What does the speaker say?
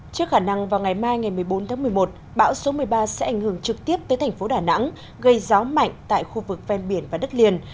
trước khả năng vào ngày mai ngày một mươi bốn tháng một mươi một bão số một mươi ba sẽ ảnh hưởng trực tiếp tới thành phố đà nẵng gây gió mạnh tại khu vực ven biển và đất liền